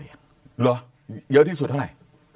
เหรอเยอะที่สุดเท่าไหร่